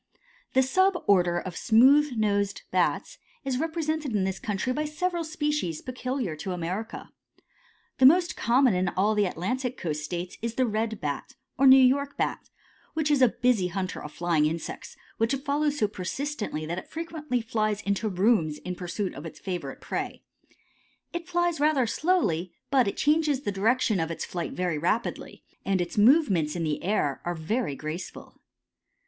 The sub order of smooth nosed Bats is represented in this country by several species peculiar to America. The most common in all the Atlantic coast states is the Red Bat, or New York Bat, which is a busy hunter of flying insects, which it follows so persistently that it frequently flies into rooms in pursuit of its favorite prey. It flies rather slowly, but it changes the direction of its flight very rapidly, and its movements in the air are very graceful.